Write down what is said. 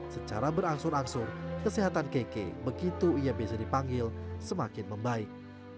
secara berangsur angsur kesehatan keke begitu ia biasa dipanggil semakin membaik